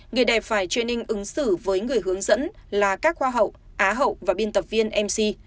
người đẹp phải training ứng xử với người hướng dẫn là các hoa hậu á hậu và biên tập viên mc